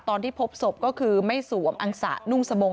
ตอนที่พบศพก็คือไม่สวมอังสะนุ่งสบง